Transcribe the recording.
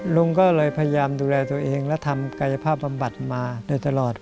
ลุงก็เลยพยายามดูแลตัวเองและทำกายภาพบำบัดมาโดยตลอด